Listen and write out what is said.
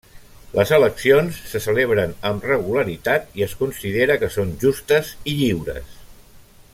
Les eleccions se celebren amb regularitat, i es considera que són justes i lliures.